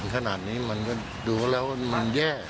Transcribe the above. ขนาดนี้มันก็ดูแล้วมันแย่